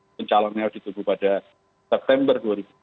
pencalonnya ditutup pada september dua ribu dua puluh tiga